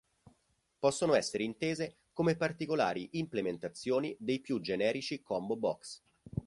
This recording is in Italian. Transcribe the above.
Possono essere intese come particolari implementazioni dei più generici combo box.